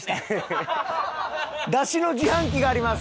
出汁の自販機があります。